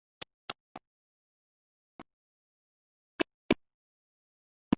মিত্র নিজে ধারণা করেছিলেন সত্যজিৎ রায় প্রতিষ্ঠিত কলাকুশলীদের নিয়ে কাজ করতে বিচলিত ছিলেন।